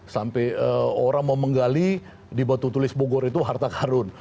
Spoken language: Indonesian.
sampai orang mau menggali di batu tulis bogor itu harta karun